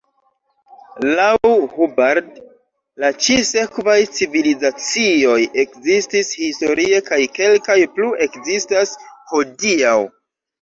Laŭ Hubbard, la ĉi sekvaj civilizacioj ekzistis historie kaj kelkaj plu ekzistas hodiaŭ.